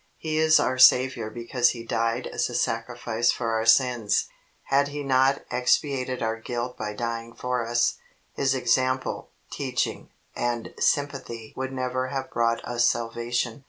He is our Saviour because He died as a sacrifice for our sins. Had He not expiated our guilt by dying for us, His example, teaching, and sympathy would never have brought us salvation.